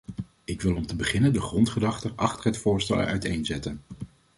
Ik wil om te beginnen de grondgedachte achter het voorstel uiteenzetten.